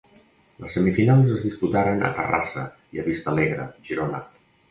Les semifinals es disputaren a Terrassa i a Vista Alegre, Girona.